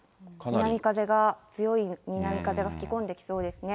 南風が、強い南風が吹き込んできそうですね。